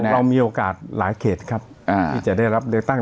เรามีโอกาสหลายเขตครับที่จะได้รับเลือกตั้ง